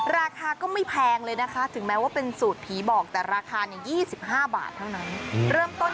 ราคาก็ไม่แพงเลยนะคะถึงแม้ว่าเป็นสูตรผีบอกแต่ราคา๒๕บาทเท่านั้นเริ่มต้น